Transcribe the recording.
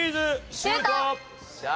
シュート！